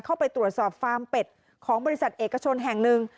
เข้าไปตรวจสอบฟาร์มเป็ดของบริษัทเอกชนแห่งหนึ่ง